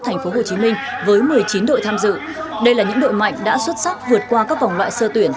tp hcm với một mươi chín đội tham dự đây là những đội mạnh đã xuất sắc vượt qua các vòng loại sơ tuyển